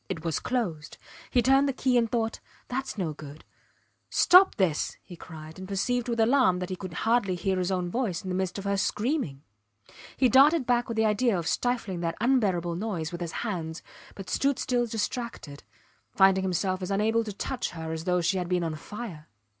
It was closed. He turned the key and thought: thats no good. ... Stop this! he cried, and perceived with alarm that he could hardly hear his own voice in the midst of her screaming. He darted back with the idea of stifling that unbearable noise with his hands, but stood still distracted, finding himself as unable to touch her as though she had been on fire.